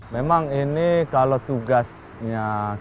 memang ini kalau tugasnya kita berdua